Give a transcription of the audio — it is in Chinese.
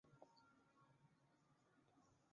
随后任命陈先为国家统计局局长。